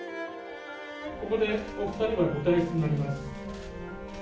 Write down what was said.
ここで、お２人はご退出になります。